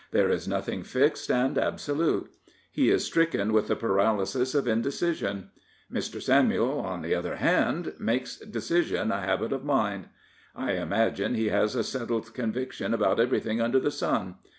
There is nothing fixed and absolute. He is stricken with the paralysis of in decision. Mr. Samuel, on the other hand, makes decision a habit of mind. I imagine he has a settled conviction about everything under the sun.